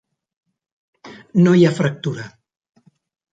No hi ha fractura.